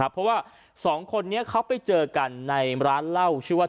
เพราะว่าสองคนนี้เขาไปเจอกันในร้านเหล้าชื่อว่า